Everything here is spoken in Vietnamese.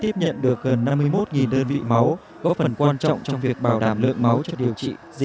trải qua chín năm tổ chức lễ hội xuân hồng đã tiếp nhận được gần năm mươi một đơn vị máu góp phần quan trọng trong việc bảo đảm lượng máu cho điều trị diễn